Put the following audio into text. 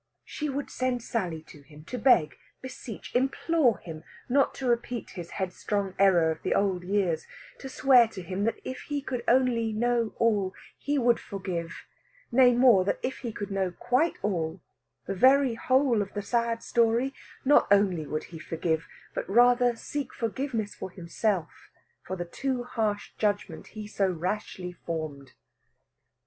She would send Sally to him to beg, beseech, implore him not to repeat his headstrong error of the old years, to swear to him that if only he could know all he would forgive nay, more, that if he could know quite all the very whole of the sad story not only would he forgive, but rather seek forgiveness for himself for the too harsh judgment he so rashly formed.